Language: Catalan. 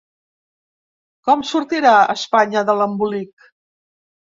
’Com sortirà Espanya de l’embolic?